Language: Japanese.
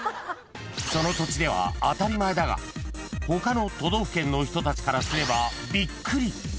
［その土地では当たり前だが他の都道府県の人たちからすればびっくり］